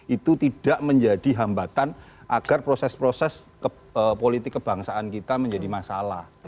itu tidak menjadi hambatan agar proses proses politik kebangsaan kita menjadi masalah